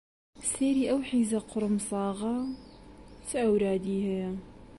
سەیری ئەو حیزە قوڕمساغە چ ئەورادی هەیە